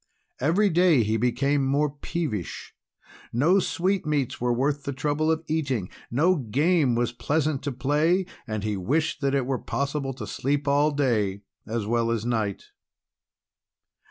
Every day he became more peevish. No sweetmeats were worth the trouble of eating, no game was pleasant to play, and he wished that it were possible to sleep all day as well as night.